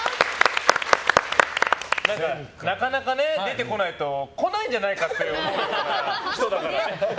なかなか出てこないと来ないんじゃないかって思わせるような人だから。